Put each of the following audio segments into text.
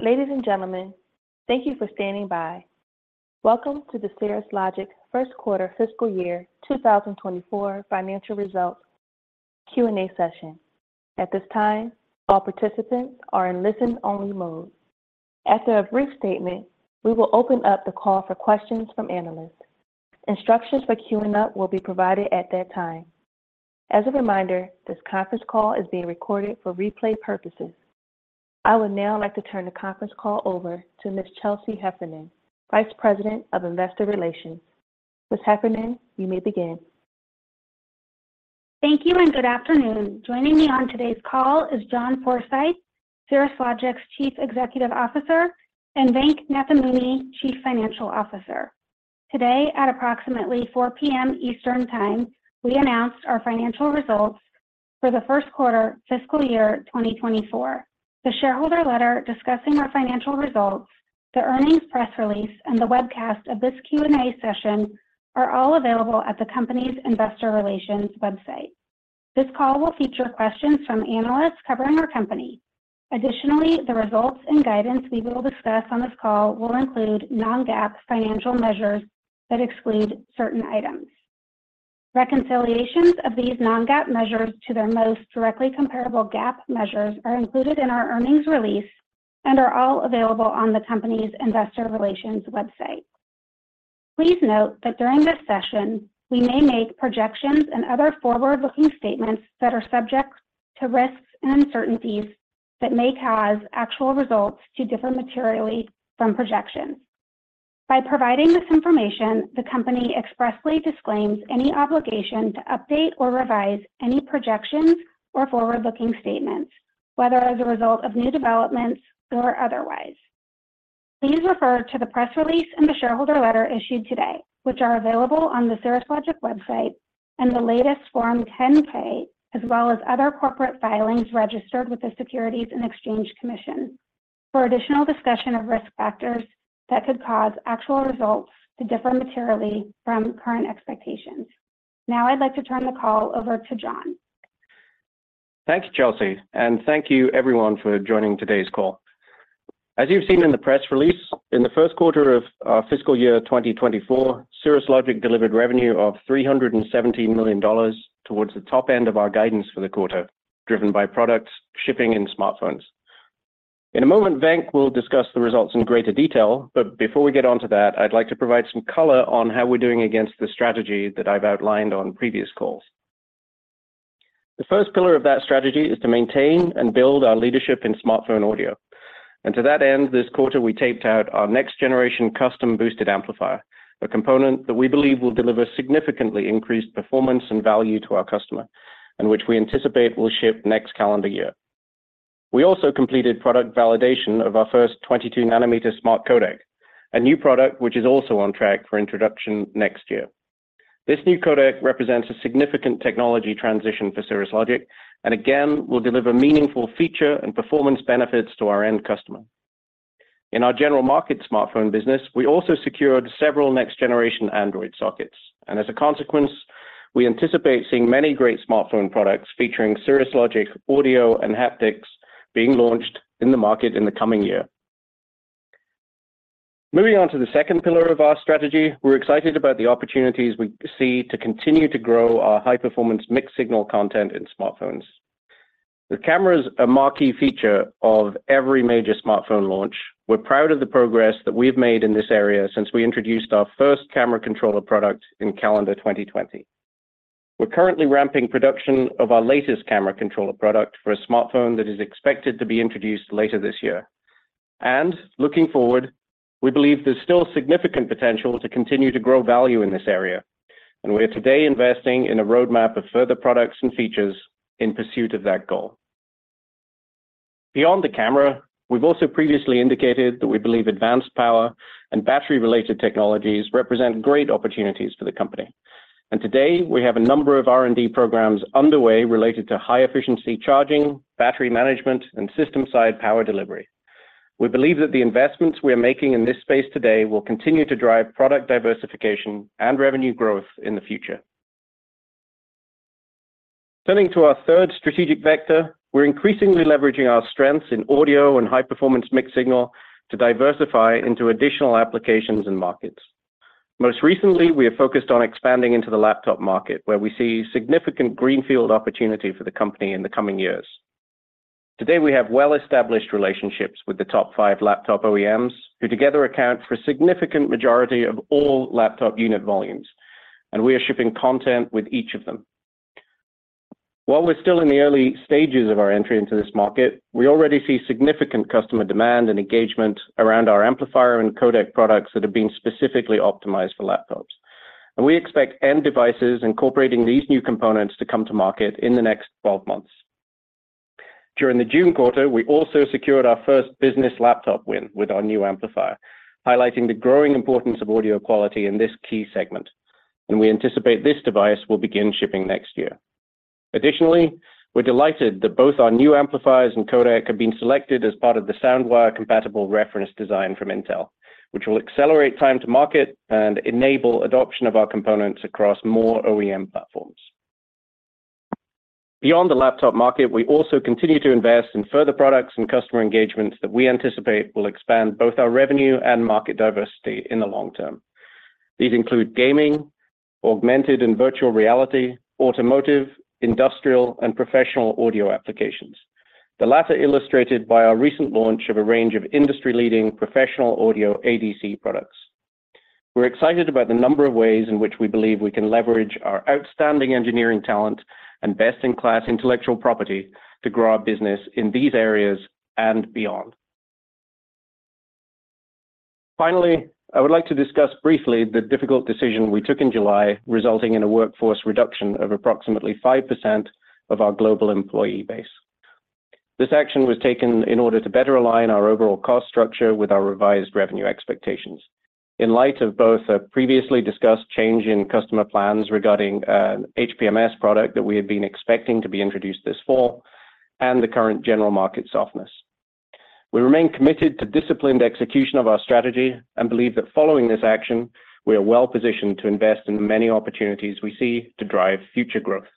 Ladies and gentlemen, thank you for standing by. Welcome to the Cirrus Logic First Quarter Fiscal Year 2024 Financial Results Q&A Session. At this time, all participants are in listen-only mode. After a brief statement, we will open up the call for questions from analysts. Instructions for queuing up will be provided at that time. As a reminder, this conference call is being recorded for replay purposes. I would now like to turn the conference call over to Ms. Chelsea Heffernan, Vice President of Investor Relations. Ms. Heffernan, you may begin. Thank you, and good afternoon. Joining me on today's call is John Forsyth, Cirrus Logic's Chief Executive Officer, and Venk Nathamuni, Chief Financial Officer. Today, at approximately 4:00 P.M. Eastern Time, we announced our financial results for the first quarter fiscal year 2024. The shareholder letter discussing our financial results, the earnings press release, and the webcast of this Q&A session are all available at the company's investor relations website. This call will feature questions from analysts covering our company. Additionally, the results and guidance we will discuss on this call will include non-GAAP financial measures that exclude certain items. Reconciliations of these non-GAAP measures to their most directly comparable GAAP measures are included in our earnings release and are all available on the company's investor relations website. Please note that during this session, we may make projections and other forward-looking statements that are subject to risks and uncertainties that may cause actual results to differ materially from projections. By providing this information, the company expressly disclaims any obligation to update or revise any projections or forward-looking statements, whether as a result of new developments or otherwise. Please refer to the press release and the shareholder letter issued today, which are available on the Cirrus Logic website and the latest Form 10-K, as well as other corporate filings registered with the Securities and Exchange Commission, for additional discussion of risk factors that could cause actual results to differ materially from current expectations. Now, I'd like to turn the call over to John. Thanks, Chelsea. Thank you everyone for joining today's call. As you've seen in the press release, in the first quarter of our fiscal year 2024, Cirrus Logic delivered revenue of $317 million towards the top end of our guidance for the quarter, driven by products, shipping, and smartphones. In a moment, Venk will discuss the results in greater detail. Before we get onto that, I'd like to provide some color on how we're doing against the strategy that I've outlined on previous calls. The first pillar of that strategy is to maintain and build our leadership in smartphone audio. To that end, this quarter, we taped out our next generation custom-boosted amplifier, a component that we believe will deliver significantly increased performance and value to our customer, and which we anticipate will ship next calendar year. We also completed product validation of our first 22-nanometer smart codec, a new product which is also on track for introduction next year. This new codec represents a significant technology transition for Cirrus Logic, and again, will deliver meaningful feature and performance benefits to our end customer. In our general market smartphone business, we also secured several next-generation Android sockets, and as a consequence, we anticipate seeing many great smartphone products featuring Cirrus Logic, audio, and haptics being launched in the market in the coming year. Moving on to the second pillar of our strategy, we're excited about the opportunities we see to continue to grow our high-performance mixed signal content in smartphones. The camera's a marquee feature of every major smartphone launch. We're proud of the progress that we've made in this area since we introduced our first camera controller product in calendar 2020. We're currently ramping production of our latest camera controller product for a smartphone that is expected to be introduced later this year. Looking forward, we believe there's still significant potential to continue to grow value in this area, and we are today investing in a roadmap of further products and features in pursuit of that goal. Beyond the camera, we've also previously indicated that we believe advanced power and battery-related technologies represent great opportunities for the company. Today, we have a number of R&D programs underway related to high efficiency charging, battery management, and system-side power delivery. We believe that the investments we are making in this space today will continue to drive product diversification and revenue growth in the future. Turning to our third strategic vector, we're increasingly leveraging our strengths in audio and high-performance mixed signal to diversify into additional applications and markets. Most recently, we have focused on expanding into the laptop market, where we see significant greenfield opportunity for the company in the coming years. Today, we have well-established relationships with the top five laptop OEMs, who together account for a significant majority of all laptop unit volumes, and we are shipping content with each of them. While we're still in the early stages of our entry into this market, we already see significant customer demand and engagement around our amplifier and codec products that have been specifically optimized for laptops. We expect end devices incorporating these new components to come to market in the next 12 months. During the June quarter, we also secured our first business laptop win with our new amplifier, highlighting the growing importance of audio quality in this key segment, and we anticipate this device will begin shipping next year. Additionally, we're delighted that both our new amplifiers and codec have been selected as part of the SoundWire compatible reference design from Intel, which will accelerate time to market and enable adoption of our components across more OEM platforms. Beyond the laptop market, we also continue to invest in further products and customer engagements that we anticipate will expand both our revenue and market diversity in the long term. These include gaming, augmented and virtual reality, automotive, industrial, and professional audio applications. The latter illustrated by our recent launch of a range of industry-leading professional audio ADC products. We're excited about the number of ways in which we believe we can leverage our outstanding engineering talent and best-in-class intellectual property to grow our business in these areas and beyond. Finally, I would like to discuss briefly the difficult decision we took in July, resulting in a workforce reduction of approximately 5% of our global employee base. This action was taken in order to better align our overall cost structure with our revised revenue expectations. In light of both a previously discussed change in customer plans regarding HPMS product that we had been expecting to be introduced this fall, and the current general market softness. We remain committed to disciplined execution of our strategy and believe that following this action, we are well positioned to invest in the many opportunities we see to drive future growth.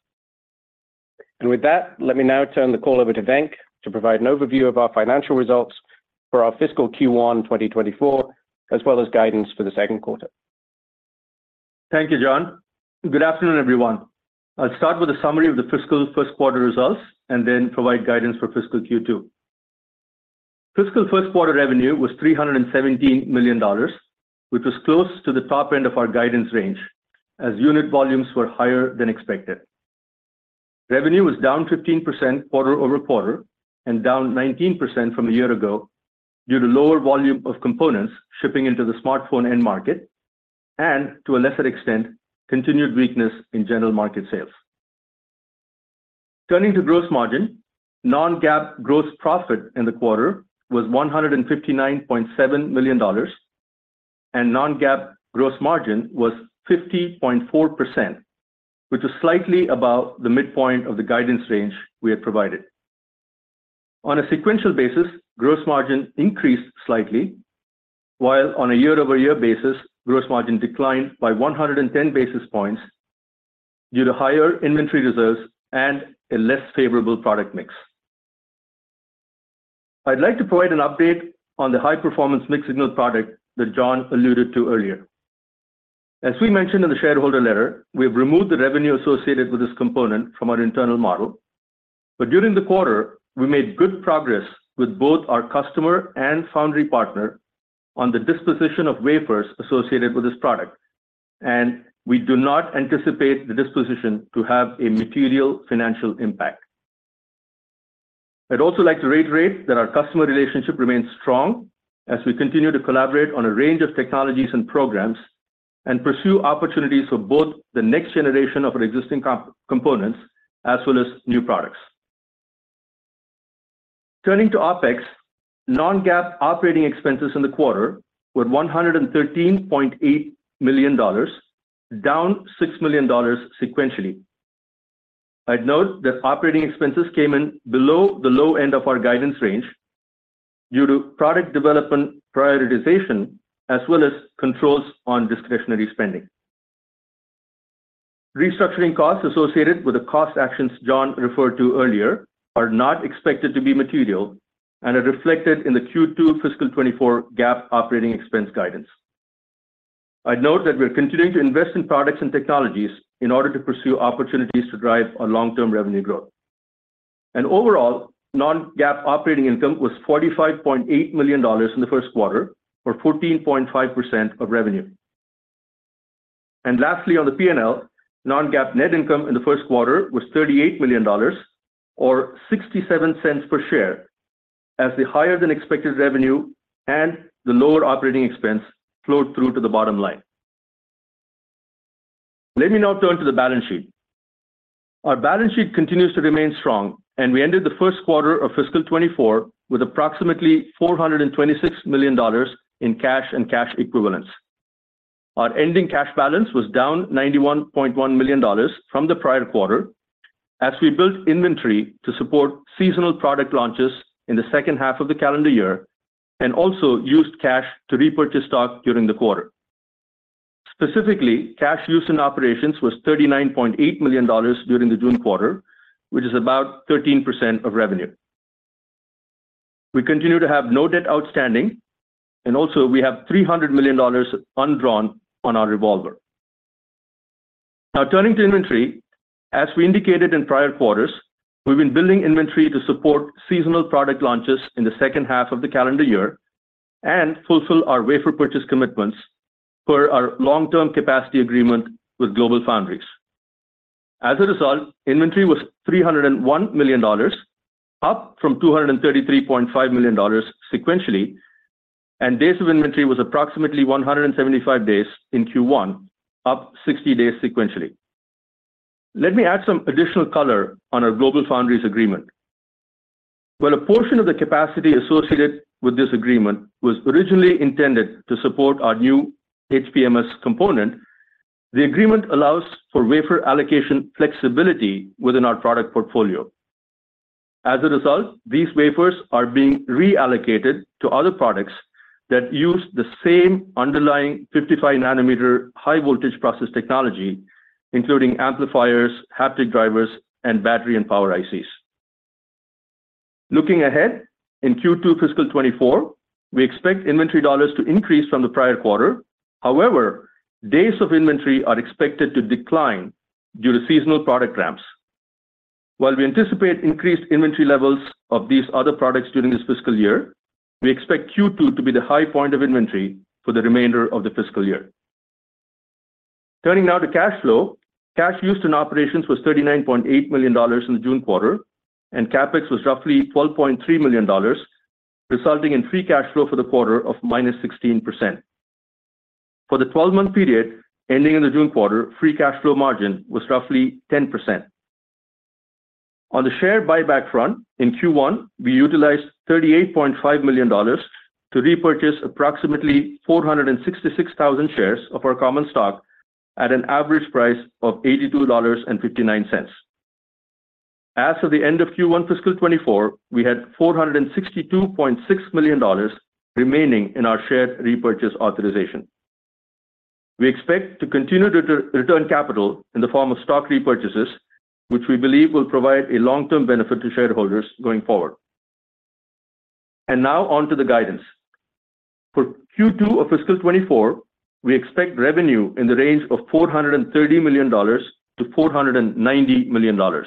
With that, let me now turn the call over to Venk, to provide an overview of our financial results for our fiscal Q1 2024, as well as guidance for the second quarter. Thank you, John. Good afternoon, everyone. I'll start with a summary of the fiscal first quarter results and then provide guidance for fiscal Q2. Fiscal first quarter revenue was $317 million, which was close to the top end of our guidance range, as unit volumes were higher than expected. Revenue was down 15% quarter-over-quarter, and down 19% from a year ago, due to lower volume of components shipping into the smartphone end market, and to a lesser extent, continued weakness in general market sales. Turning to gross margin, non-GAAP gross profit in the quarter was $159.7 million, and non-GAAP gross margin was 50.4%, which is slightly above the midpoint of the guidance range we had provided. On a sequential basis, gross margin increased slightly, while on a year-over-year basis, gross margin declined by 110 basis points due to higher inventory reserves and a less favorable product mix. I'd like to provide an update on the high-performance mixed signal product that John alluded to earlier. As we mentioned in the shareholder letter, we have removed the revenue associated with this component from our internal model. During the quarter, we made good progress with both our customer and foundry partner on the disposition of wafers associated with this product, and we do not anticipate the disposition to have a material financial impact. I'd also like to reiterate that our customer relationship remains strong as we continue to collaborate on a range of technologies and programs, and pursue opportunities for both the next generation of our existing components as well as new products. Turning to OpEx, non-GAAP operatIng expenses in the quarter were $113.8 million, down $6 million sequentially. I'd note that operating expenses came in below the low end of our guidance range due to product development prioritization, as well as controls on discretionary spending. Restructuring costs associated with the cost actions John referred to earlier are not expected to be material and are reflected in the Q2 fiscal 2024 GAAP operating expense guidance. I'd note that we're continuing to invest in products and technologies in order to pursue opportunities to drive our long-term revenue growth. Overall, non-GAAP operating income was $45.8 million in the first quarter, or 14.5% of revenue. Lastly, on the P&L, non-GAAP net income in the first quarter was $38 million or $0.67 per share, as the higher than expected revenue and the lower operating expense flowed through to the bottom line. Let me now turn to the balance sheet. Our balance sheet continues to remain strong, and we ended the first quarter of fiscal 2024 with approximately $426 million in cash and cash equivalents. Our ending cash balance was down $91.1 million from the prior quarter, as we built inventory to support seasonal product launches in the second half of the calendar year, and also used cash to repurchase stock during the quarter. Specifically, cash use in operations was $39.8 million during the June quarter, which is about 13% of revenue. We continue to have no debt outstanding, also, we have $300 million undrawn on our revolver. Now, turning to inventory, as we indicated in prior quarters, we've been building inventory to support seasonal product launches in the second half of the calendar year and fulfill our wafer purchase commitments per our long-term capacity agreement with GlobalFoundries. As a result, inventory was $301 million, up from $233.5 million sequentially, and days of inventory was approximately 175 days in Q1, up 60 days sequentially. Let me add some additional color on our GlobalFoundries agreement. While a portion of the capacity associated with this agreement was originally intended to support our new HPMS component, the agreement allows for wafer allocation flexibility within our product portfolio. As a result, these wafers are being reallocated to other products that use the same underlying 55-nanometer high voltage process technology, including amplifiers, haptic drivers, and battery and power ICs. Looking ahead, in Q2 fiscal 2024, we expect inventory dollars to increase from the prior quarter. However, days of inventory are expected to decline due to seasonal product ramps. While we anticipate increased inventory levels of these other products during this fiscal year, we expect Q2 to be the high point of inventory for the remainder of the fiscal year. Turning now to cash flow. Cash used in operations was $39.8 million in the June quarter, and CapEx was roughly $12.3 million, resulting in free cash flow for the quarter of -16%. For the 12-month period ending in the June quarter, free cash flow margin was roughly 10%. On the share buyback front, in Q1, we utilized $38.5 million to repurchase approximately 466,000 shares of our common stock at an average price of $82.59. As of the end of Q1 FY24, we had $462.6 million remaining in our share repurchase authorization. We expect to continue to re-return capital in the form of stock repurchases, which we believe will provide a long-term benefit to shareholders going forward. Now on to the guidance. For Q2 of fiscal 2024, we expect revenue in the range of $430 million-$490 million.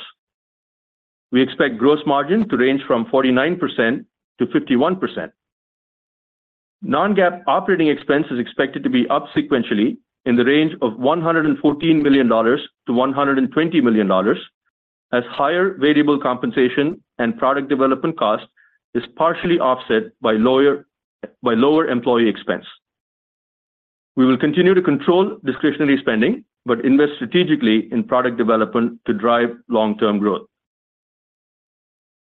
We expect gross margin to range from 49%-51%. non-GAAP operating expense is expected to be up sequentially in the range of $114 million-$120 million, as higher variable compensation and product development cost is partially offset by lower employee expense. We will continue to control discretionary spending, but invest strategically in product development to drive long-term growth.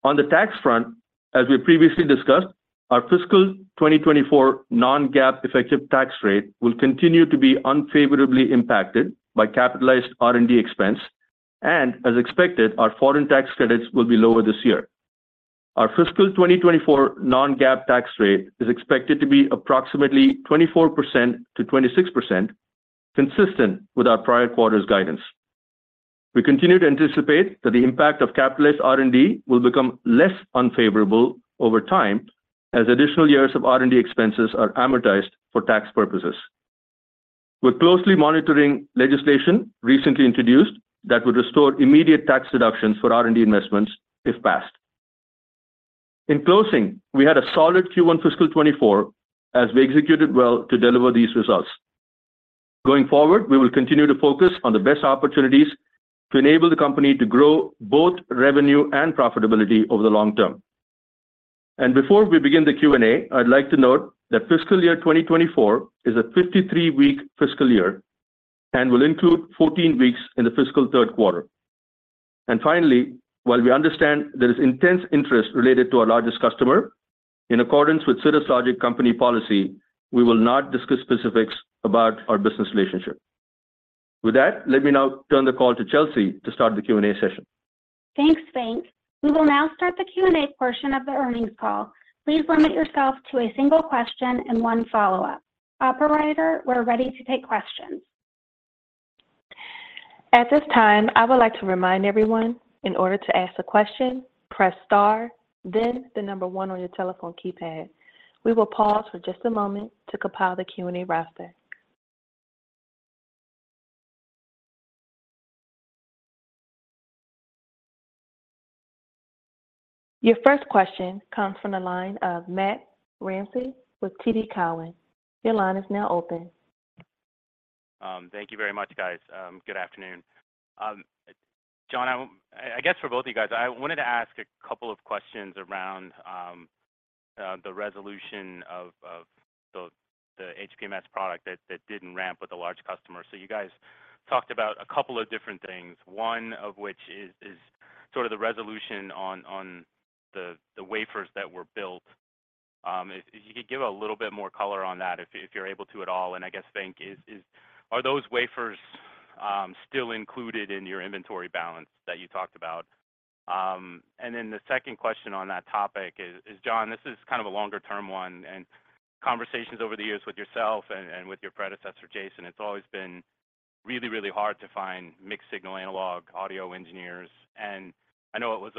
On the tax front, as we previously discussed, our fiscal 2024 non-GAAP effective tax rate will continue to be unfavorably impacted by capitalized R&D expense, as expected, our foreign tax credits will be lower this year. Our fiscal 2024 non-GAAP tax rate is expected to be approximately 24%-26%, consistent with our prior quarter's guidance. We continue to anticipate that the impact of capitalized R&D will become less unfavorable over time, as additional years of R&D expenses are amortized for tax purposes. We're closely monitoring legislation recently introduced that would restore immediate tax deductions for R&D investments if passed. In closing, we had a solid Q1 fiscal 2024 as we executed well to deliver these results. Going forward, we will continue to focus on the best opportunities to enable the company to grow both revenue and profitability over the long term. Before we begin the Q&A, I'd like to note that fiscal year 2024 is a 53-week fiscal year and will include 14 weeks in the fiscal third quarter. Finally, while we understand there is intense interest related to our largest customer, in accordance with Cirrus Logic company policy, we will not discuss specifics about our business relationship. With that, let me now turn the call to Chelsea to start the Q&A session. Thanks, Venk. We will now start the Q&A portion of the earnings call. Please limit yourself to a single question and one follow-up. Operator, we're ready to take questions. At this time, I would like to remind everyone, in order to ask a question, press star, then one on your telephone keypad. We will pause for just a moment to compile the Q&A roster. Your first question comes from the line of Matt Ramsay with TD Cowen. Your line is now open. Thank you very much, guys. Good afternoon. John, I, I guess for both of you guys, I wanted to ask a couple of questions around the resolution of, of the, the HPMS product that, that didn't ramp with a large customer. You guys talked about a couple of different things. One of which is, is sort of the resolution on, on the, the wafers that were built. If you could give a little bit more color on that, if, if you're able to at all, and I guess, Venk, is, is are those wafers still included in your inventory balance that you talked about? Then the second question on that topic is, John, this is kind of a longer term one, and conversations over the years with yourself and with your predecessor, Jason, it's always been really, really hard to find mixed-signal analog audio engineers. I know it was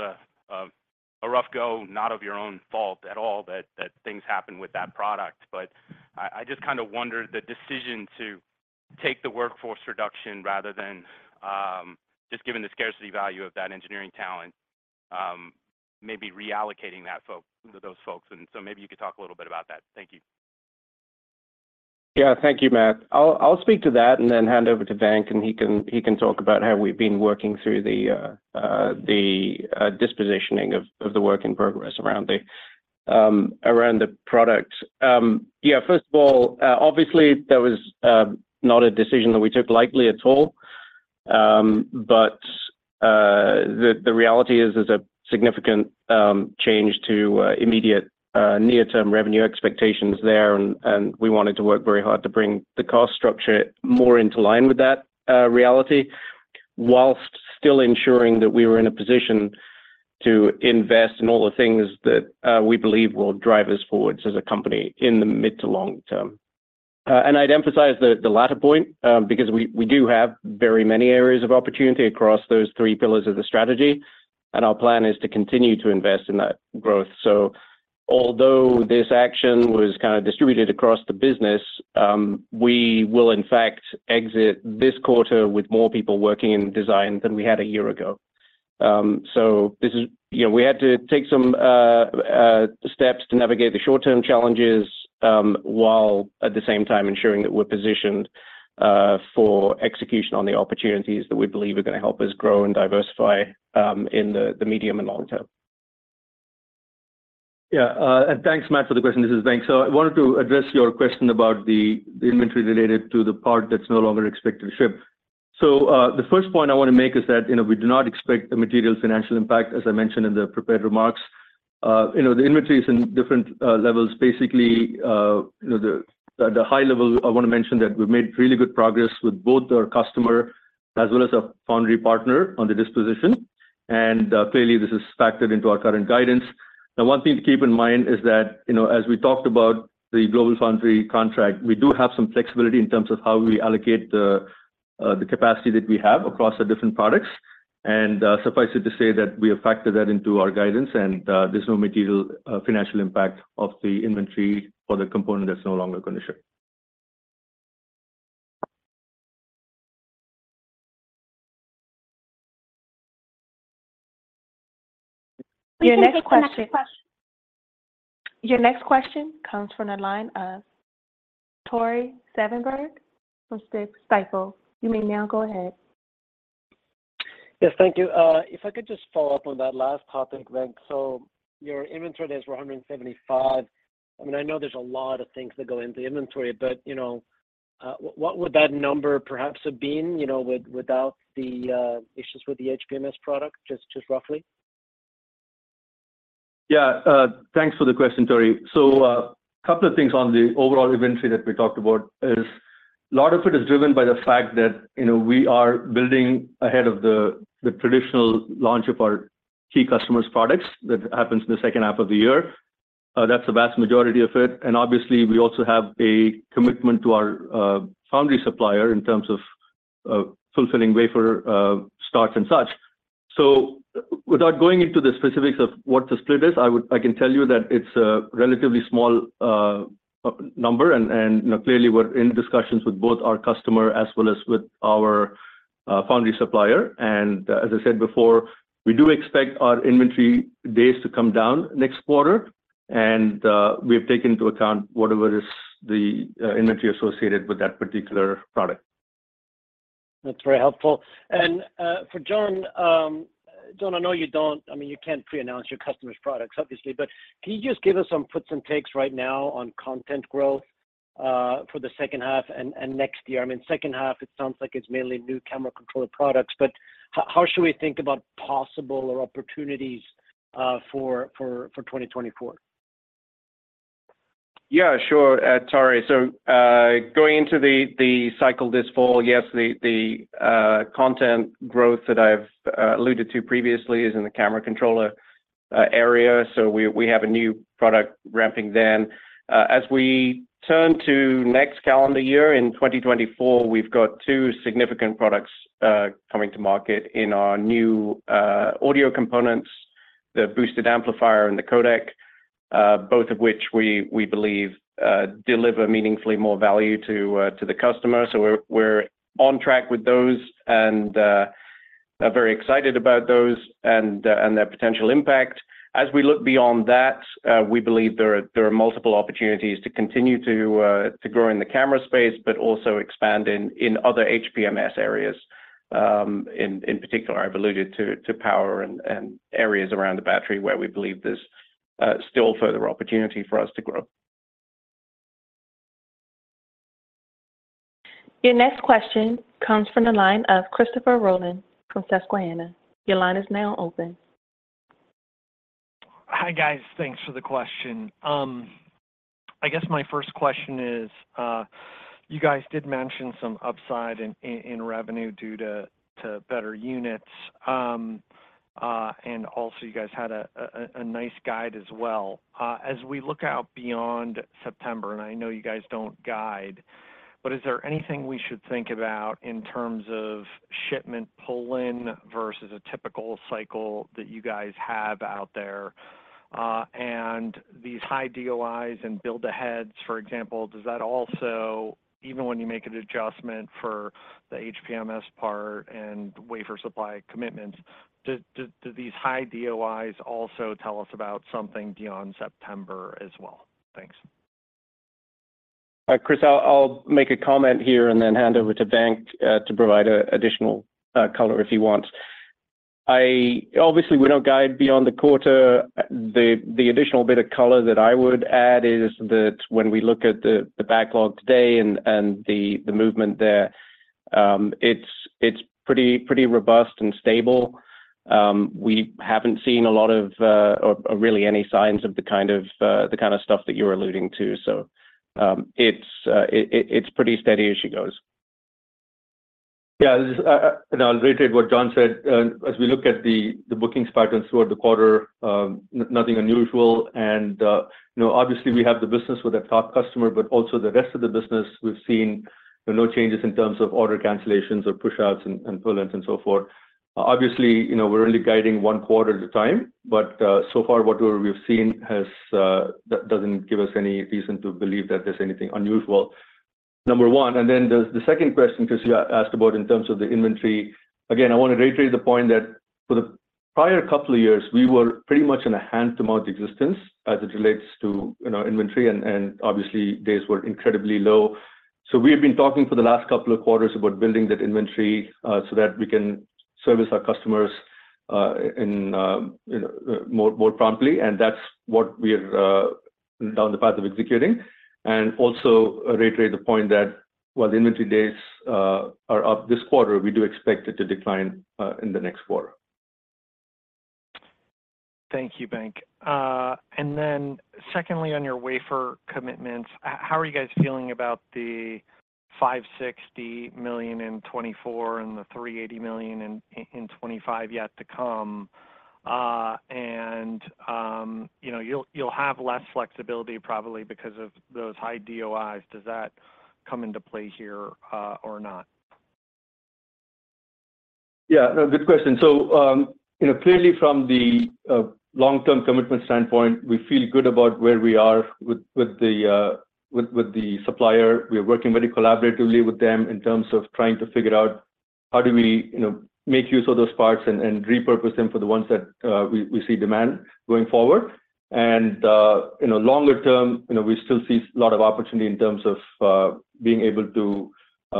a rough go, not of your own fault at all, that things happened with that product. I just kind of wondered the decision to take the workforce reduction rather than, just given the scarcity value of that engineering talent, maybe reallocating those folks, and so maybe you could talk a little bit about that. Thank you. Yeah. Thank you, Matt. I'll, I'll speak to that and then hand over to Venk, and he can, he can talk about how we've been working through the dispositioning of, of the work in progress around the around the product. Yeah, first of all, obviously, that was not a decision that we took lightly at all. The reality is, there's a significant change to immediate near-term revenue expectations there, and, and we wanted to work very hard to bring the cost structure more into line with that reality.... whilst still ensuring that we were in a position to invest in all the things that we believe will drive us forwards as a company in the mid to long term. I'd emphasize the, the latter point, because we, we do have very many areas of opportunity across those three pillars of the strategy, and our plan is to continue to invest in that growth. Although this action was kind of distributed across the business, we will in fact exit this quarter with more people working in design than we had a year ago. This is-- you know, we had to take some steps to navigate the short-term challenges, while at the same time ensuring that we're positioned for execution on the opportunities that we believe are gonna help us grow and diversify in the, the medium and long term. Yeah, thanks, Matt, for the question. This is Venk. I wanted to address your question about the, the inventory related to the part that's no longer expected to ship. The first point I want to make is that, you know, we do not expect a material financial impact, as I mentioned in the prepared remarks. You know, the inventory is in different levels. Basically, you know, the, at the high level, I want to mention that we've made really good progress with both our customer as well as our foundry partner on the disposition, and clearly this is factored into our current guidance. Now, one thing to keep in mind is that, you know, as we talked about the global foundry contract, we do have some flexibility in terms of how we allocate the capacity that we have across the different products. Suffice it to say that we have factored that into our guidance, and there's no material financial impact of the inventory for the component that's no longer going to ship. Your next question comes from the line of Tore Svanberg from Stifel. You may now go ahead. Yes, thank you. If I could just follow up on that last topic, Venk. Your inventory days were 175. I mean, I know there's a lot of things that go into the inventory, but, you know, what would that number perhaps have been, you know, without the issues with the HPMS product, just just roughly? Yeah, thanks for the question, Tore. Couple of things on the overall inventory that we talked about is a lot of it is driven by the fact that, you know, we are building ahead of the, the traditional launch of our key customers' products. That happens in the second half of the year. That's the vast majority of it, and obviously, we also have a commitment to our foundry supplier in terms of, of fulfilling wafer starts and such. Without going into the specifics of what the split is, I can tell you that it's a relatively small number, and, and clearly, we're in discussions with both our customer as well as with our foundry supplier. As I said before, we do expect our inventory days to come down next quarter, and, we have taken into account whatever is the, inventory associated with that particular product. That's very helpful. For John, John, I know you don't... I mean, you can't pre-announce your customers' products, obviously, but can you just give us some puts and takes right now on content growth for the second half and next year? I mean, second half, it sounds like it's mainly new camera controller products, but how, how should we think about possible or opportunities for 2024? Yeah, sure, Tore. Going into the, the cycle this fall, yes, the, the, content growth that I've alluded to previously is in the camera controller area, so we, we have a new product ramping then. As we turn to next calendar year, in 2024, we've got two significant products coming to market in our new audio components, the boosted amplifier and the codec, both of which we, we believe, deliver meaningfully more value to the customer. We're, we're on track with those, and are very excited about those and their potential impact. As we look beyond that, we believe there are, there are multiple opportunities to continue to grow in the camera space, but also expand in, in other HPMS areas. In particular, I've alluded to power and areas around the battery, where we believe there's still further opportunity for us to grow. Your next question comes from the line of Christopher Rolland from Susquehanna. Your line is now open. Hi, guys. Thanks for the question. I guess my first question is, you guys did mention some upside in, in revenue due to, to better units. Also, you guys had a nice guide as well. As we look out beyond September, and I know you guys don't guide, but is there anything we should think about in terms of shipment pull-in versus a typical cycle that you guys have out there? These high DOIs and build-aheads, for example, does that also, even when you make an adjustment for the HPMS part and wafer supply commitments, do these high DOIs also tell us about something beyond September as well? Thanks. Chris, I'll, I'll make a comment here and then hand over to Venk to provide additional color if he wants. Obviously, we don't guide beyond the quarter. The additional bit of color that I would add is that when we look at the backlog today and the movement there, it's pretty, pretty robust and stable, we haven't seen a lot of, or really any signs of the kind of the kind of stuff that you're alluding to. So, it's, it, it's pretty steady as she goes. Yeah, this is, I'll reiterate what John said. As we look at the, the booking patterns throughout the quarter, nothing unusual, and, you know, obviously we have the business with our top customer, but also the rest of the business, we've seen no changes in terms of order cancellations or pushouts and, and pull-ins and so forth. Obviously, you know, we're only guiding one quarter at a time, but, so far whatever we've seen has, that doesn't give us any reason to believe that there's anything unusual, number one. Then the, the second question, Christopher, you asked about in terms of the inventory. Again, I want to reiterate the point that for the prior couple of years, we were pretty much in a hand-to-mouth existence as it relates to, you know, inventory, and, and obviously, days were incredibly low. We have been talking for the last couple of quarters about building that inventory so that we can service our customers in, you know, more promptly, and that's what we are down the path of executing. Also, reiterate the point that while the inventory days are up this quarter, we do expect it to decline in the next quarter. Thank you, Venk. Then secondly, on your wafer commitments, how are you guys feeling about the $560 million in 2024 and the $380 million in 2025 yet to come? You know, you'll have less flexibility, probably because of those high DOIs. Does that come into play here, or not? Yeah, no, good question. You know, clearly from the long-term commitment standpoint, we feel good about where we are with, with the, with, with the supplier. We are working very collaboratively with them in terms of trying to figure out how do we, you know, make use of those parts and, and repurpose them for the ones that we, we see demand going forward. You know, longer term, you know, we still see a lot of opportunity in terms of being able to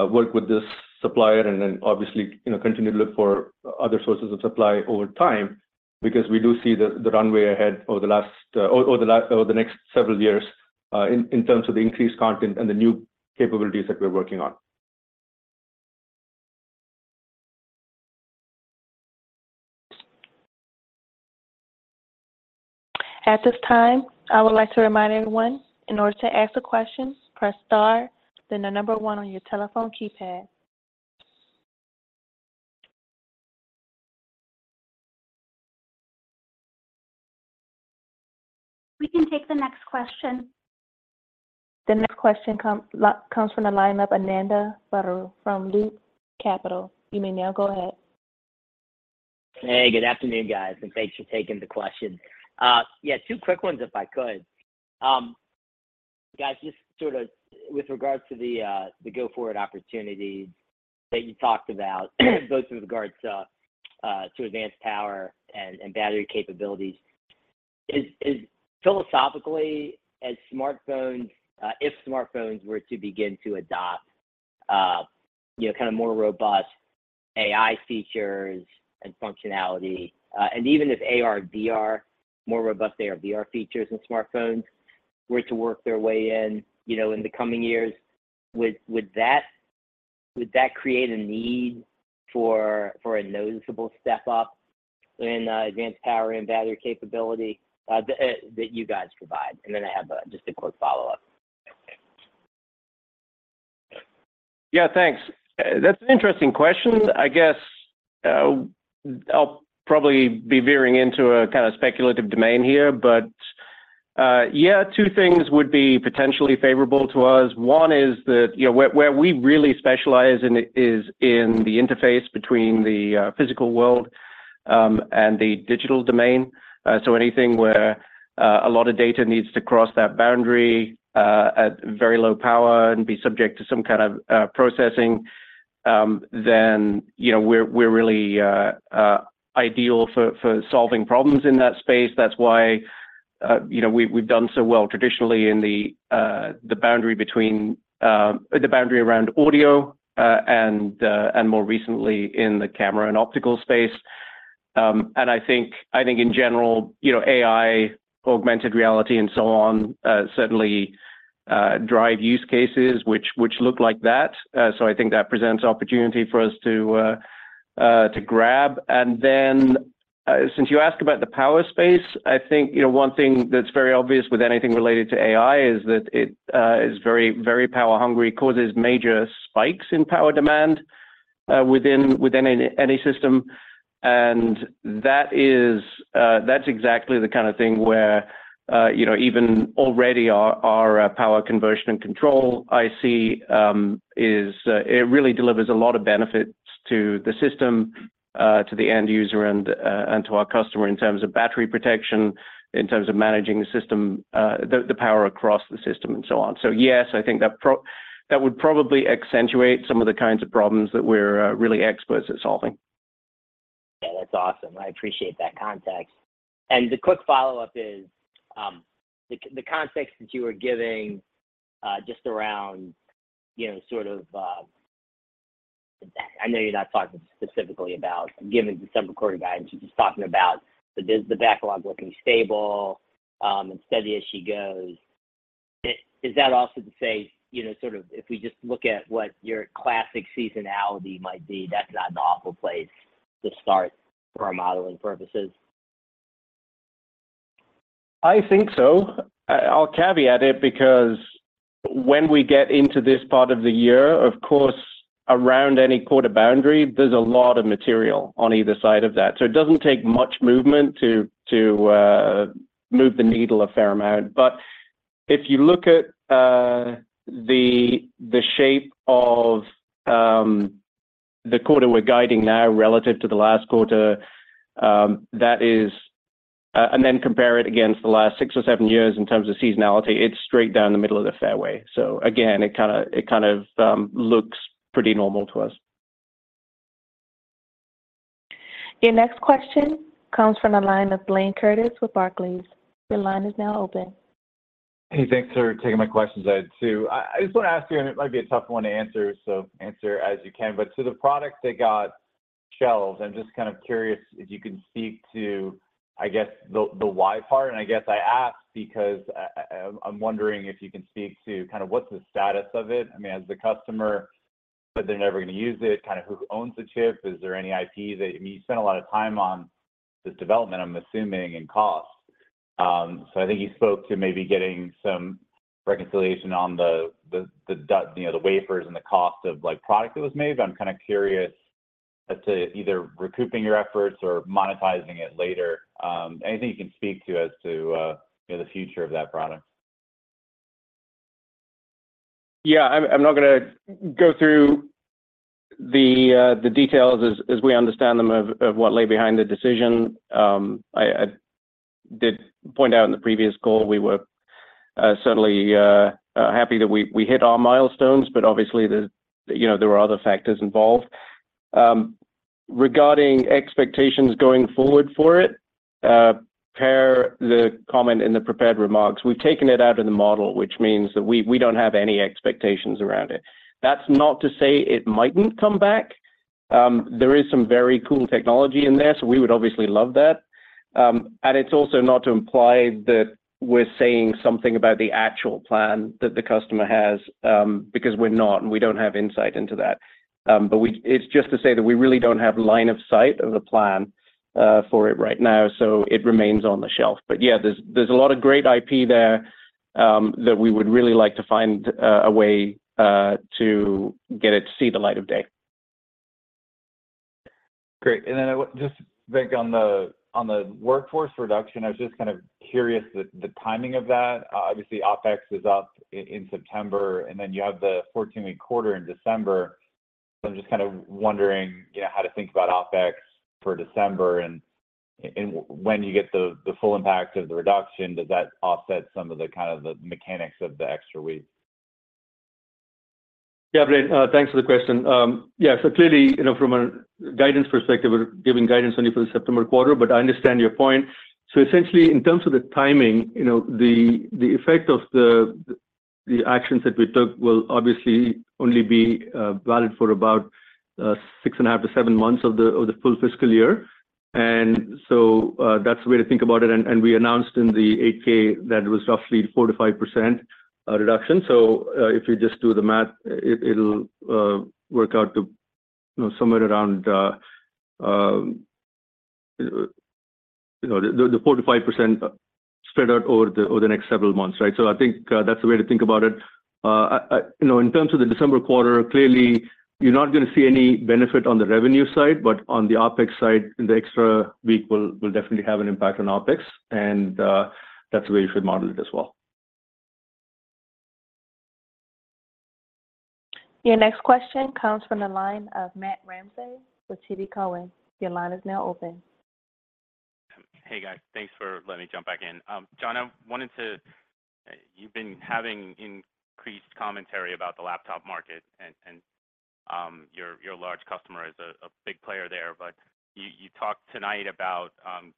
work with this supplier and then obviously, you know, continue to look for other sources of supply over time, because we do see the, the runway ahead over the next several years in, in terms of the increased content and the new capabilities that we're working on. At this time, I would like to remind everyone, in order to ask a question, press star, then the number one on your telephone keypad. We can take the next question. The next question come, come from the line of Ananda Baruah from Loop Capital. You may now go ahead. Hey, good afternoon, guys, and thanks for taking the question. Yeah, two quick ones, if I could. Guys, just sort of with regards to the, the go-forward opportunity that you talked about, both with regards to, to advanced power and, and battery capabilities, is, is philosophically as smartphone-- if smartphones were to begin to adopt, you know, kind of more robust AI features and functionality, and even if AR/VR, more robust AR/VR features and smartphones were to work their way in, you know, in the coming years, would, would that, would that create a need for, for a noticeable step up in, advanced power and battery capability, that, that you guys provide? Then I have, just a quick follow-up. Yeah, thanks. That's an interesting question. I guess, I'll probably be veering into a kind of speculative domain here, but, yeah, two things would be potentially favorable to us. 1 is that, you know, where, where we really specialize in it is in the interface between the physical world and the digital domain. So anything where a lot of data needs to cross that boundary at very low power and be subject to some kind of processing, then, you know, we're, we're really ideal for, for solving problems in that space. That's why, you know, we've, we've done so well traditionally in the boundary between the boundary around audio and and more recently in the camera and optical space. I think, I think in general, you know, AI, augmented reality, and so on, certainly drive use cases which, which look like that. I think that presents opportunity for us to grab. Since you asked about the power space, I think, you know, one thing that's very obvious with anything related to AI is that it is very, very power-hungry, causes major spikes in power demand, within, within any, any system. That is, that's exactly the kind of thing where, you know, even already our, our, power conversion and control IC, is, it really delivers a lot of benefits to the system, to the end user, and, and to our customer in terms of battery protection, in terms of managing the system, the, the power across the system, and so on. Yes, I think that that would probably accentuate some of the kinds of problems that we're really experts at solving. Yeah, that's awesome. I appreciate that context. The quick follow-up is, the context that you were giving just around, you know, sort of. I know you're not talking specifically about giving the seventh quarter guidance, you're just talking about the backlog looking stable and steady as she goes. Is that also to say, you know, sort of if we just look at what your classic seasonality might be, that's not an awful place to start for our modeling purposes? I think so. I, I'll caveat it, because when we get into this part of the year, of course, around any quarter boundary, there's a lot of material on either side of that. It doesn't take much movement to, to move the needle a fair amount. If you look at the, the shape of the quarter we're guiding now relative to the last quarter, and then compare it against the last 6 or 7 years in terms of seasonality, it's straight down the middle of the fairway. Again, it kinda, it kind of looks pretty normal to us. Your next question comes from the line of Blayne Curtis with Barclays. Your line is now open. Hey, thanks for taking my questions, Ed, too. I, I just want to ask you, and it might be a tough one to answer, so answer as you can, but to the product that got shelved, I'm just kind of curious if you can speak to, I guess, the, the why part. I guess I ask because I, I, I'm wondering if you can speak to kind of what's the status of it. I mean, as the customer, but they're never going to use it, kind of who owns the chip? Is there any IP that? You spent a lot of time on this development, I'm assuming, and cost. I think you spoke to maybe getting some reconciliation on the, you know, the wafers and the cost of like product that was made, but I'm kind of curious as to either recouping your efforts or monetizing it later. Anything you can speak to as to, you know, the future of that product? Yeah, I'm, I'm not gonna go through the details as, as we understand them, of, of what lay behind the decision. I, I did point out in the previous call, we were certainly happy that we, we hit our milestones, but obviously, there, you know, there were other factors involved. Regarding expectations going forward for it, per the comment in the prepared remarks, we've taken it out of the model, which means that we, we don't have any expectations around it. That's not to say it mightn't come back. There is some very cool technology in there, so we would obviously love that. And it's also not to imply that we're saying something about the actual plan that the customer has, because we're not, and we don't have insight into that. It's just to say that we really don't have line of sight of the plan for it right now, so it remains on the shelf. Yeah, there's, there's a lot of great IP there that we would really like to find a way to get it to see the light of day. Great. I would just, Venk, on the workforce reduction, I was just kind of curious the timing of that. Obviously, OpEx is up in September, and then you have the 14-week quarter in December. I'm just kind of wondering, you know, how to think about OpEx for December and when you get the full impact of the reduction, does that offset some of the kind of the mechanics of the extra week? Yeah, Blayne, thanks for the question. Yeah, clearly, you know, from a guidance perspective, we're giving guidance only for the September quarter, but I understand your point. Essentially, in terms of the timing, you know, the effect of the actions that we took will obviously only be valid for about 6.5-7 months of the full fiscal year. That's the way to think about it, and we announced in the 8-K that it was roughly 4%-5% reduction. If you just do the math, it'll work out to, you know, somewhere around, you know, the 4%-5% spread out over the next several months, right? I think that's the way to think about it. You know, in terms of the December quarter, clearly, you're not going to see any benefit on the revenue side, but on the OpEx side, the extra week will, will definitely have an impact on OpEx, and that's the way you should model it as well. Your next question comes from the line of Matt Ramsay with TD Cowen. Your line is now open. Hey, guys. Thanks for letting me jump back in. John, you've been having increased commentary about the laptop market, and your large customer is a big player there, but you talked tonight about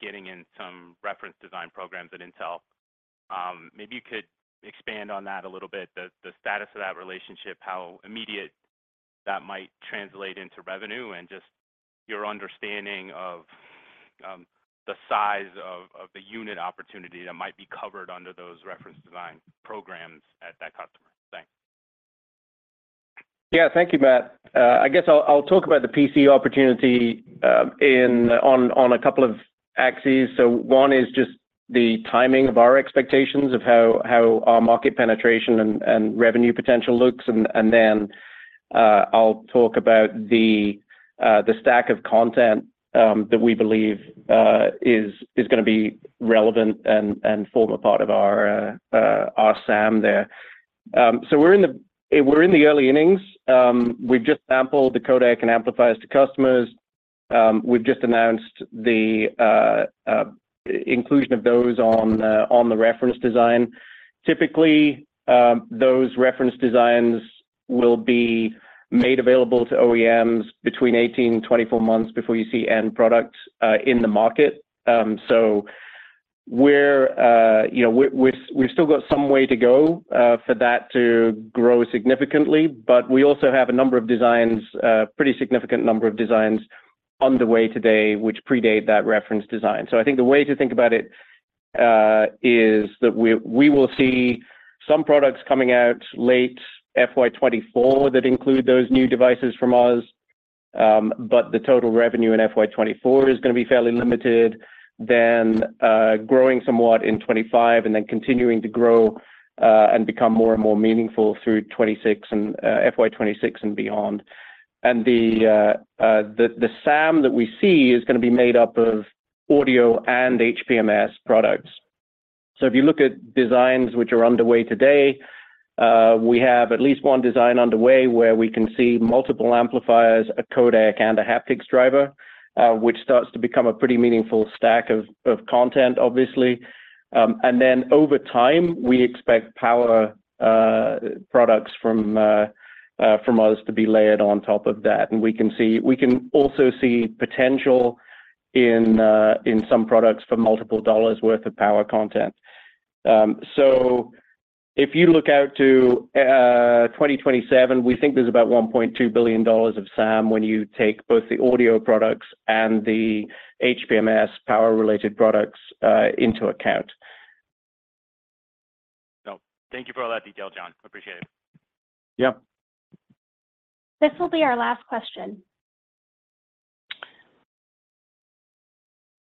getting in some reference design programs at Intel. Maybe you could expand on that a little bit, the status of that relationship, how immediate that might translate into revenue, and just your understanding of the size of the unit opportunity that might be covered under those reference design programs at that customer. Thanks. Yeah. Thank you, Matt. I guess I'll, I'll talk about the PC opportunity, on a couple of axes. One is just the timing of our expectations of how, how our market penetration and, and revenue potential looks. Then, I'll talk about the stack of content that we believe is gonna be relevant and form a part of our SAM there. We're in the early innings. We've just sampled the codec and amplifiers to customers. We've just announced the inclusion of those on the reference design. Typically, those reference designs will be made available to OEMs between 18 and 24 months before you see end products in the market. We're, you know, we've, we've still got some way to go for that to grow significantly, but we also have a number of designs, pretty significant number of designs underway today, which predate that reference design. I think the way to think about it is that we, we will see some products coming out late FY24 that include those new devices from us, but the total revenue in FY24 is gonna be fairly limited, then growing somewhat in 2025, and then continuing to grow and become more and more meaningful through 2026 and FY26 and beyond. The, the SAM that we see is gonna be made up of audio and HPMS products. If you look at designs which are underway today, we have at least one design underway where we can see multiple amplifiers, a codec, and a haptics driver, which starts to become a pretty meaningful stack of, of content, obviously. Then over time, we expect power products from us to be layered on top of that. We can also see potential in some products for multiple dollars worth of power content. If you look out to 2027, we think there's about $1.2 billion of SAM when you take both the audio products and the HPMS power-related products into account. Thank you for all that detail, John. Appreciate it. Yep. This will be our last question.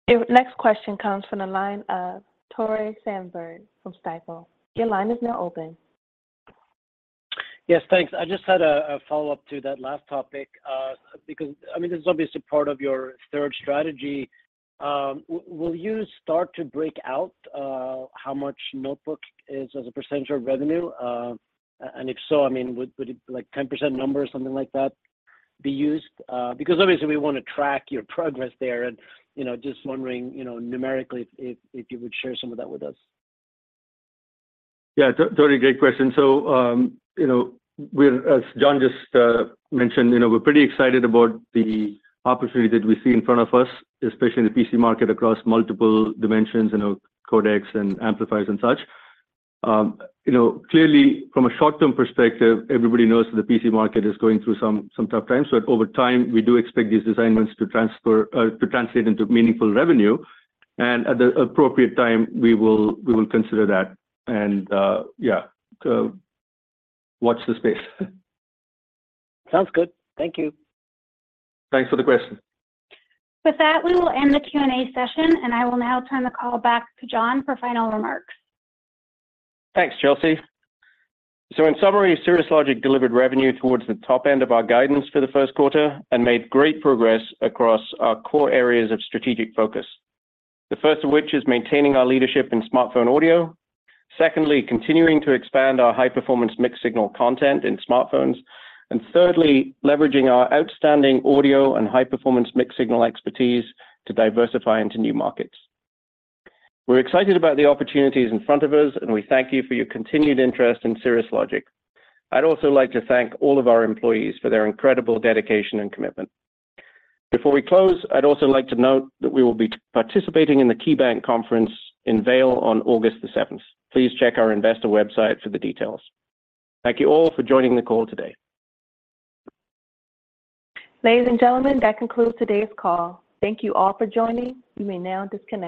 The next question comes from the line of Tore Svanberg from Stifel. Your line is now open. Yes, thanks. I just had a follow-up to that last topic, because, I mean, this is obviously part of your third strategy. Will you start to break out how much notebook is as a percentage of revenue? If so, I mean, would it be like 10% number, something like that, be used? Obviously we wanna track your progress there, and, you know, just wondering, you know, numerically if you would share some of that with us. Yeah, Tore, great question. You know, we're... As John just mentioned, you know, we're pretty excited about the opportunity that we see in front of us, especially in the PC market, across multiple dimensions, you know, codecs and amplifiers and such. You know, clearly from a short-term perspective, everybody knows that the PC market is going through some, some tough times, over time, we do expect these design wins to transfer to translate into meaningful revenue, at the appropriate time, we will, we will consider that. Yeah, watch this space. Sounds good. Thank you. Thanks for the question. With that, we will end the Q&A session, and I will now turn the call back to John for final remarks. Thanks, Chelsea. In summary, Cirrus Logic delivered revenue towards the top end of our guidance for the first quarter, and made great progress across our core areas of strategic focus. The first of which is maintaining our leadership in smartphone audio. Secondly, continuing to expand our high-performance mixed signal content in smartphones. Thirdly, leveraging our outstanding audio and high-performance mixed signal expertise to diversify into new markets. We're excited about the opportunities in front of us, and we thank you for your continued interest in Cirrus Logic. I'd also like to thank all of our employees for their incredible dedication and commitment. Before we close, I'd also like to note that we will be participating in the KeyBanc Conference in Vail on August the seventh. Please check our investor website for the details. Thank you all for joining the call today. Ladies and gentlemen, that concludes today's call. Thank you all for joining. You may now disconnect.